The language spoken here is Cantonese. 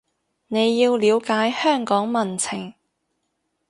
你要了解香港民情